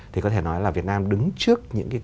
thì có thể nói là việt nam đứng trước những cái